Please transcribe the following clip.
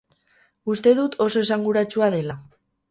Uste dut oso esanguratsua dela.